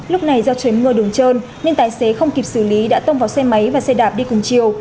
xe này do trời mưa đường trơn nên tài xế không kịp xử lý đã tông vào xe máy và xe đạp đi cùng chiều